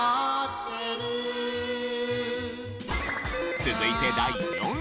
続いて第４位。